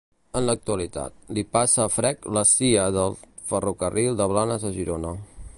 En l'actualitat, li passa a frec la cia del ferrocarril de Blanes a Girona.